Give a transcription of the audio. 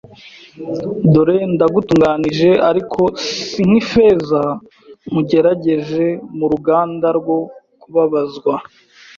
Dore ndagutunganije ariko si nk’ifeza nkugeragereje mu ruganda rwo kubabazwa."